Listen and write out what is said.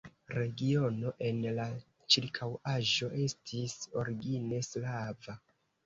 Regiono en la ĉirkaŭaĵo estis origine slava.